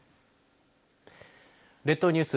列島ニュース